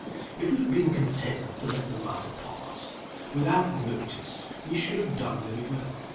If you had been content to let the matter pass without notice, we should have done very well.